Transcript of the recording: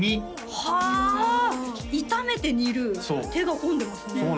炒めて煮る手が込んでますね